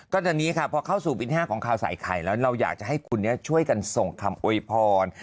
ก็ต่อนนี้ครับเมื่อเข้าสู่ปีที่๕ของข่าวสายไข่เราอยากจะให้คุณช่วยส่งคำโอยพร